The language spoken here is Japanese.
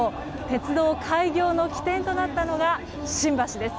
鉄道開業の起点となったのが新橋です。